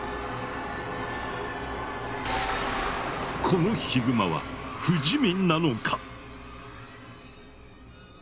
このヒグマは不死身なのか？